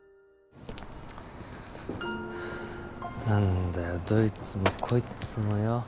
何だよどいつもこいつもよ。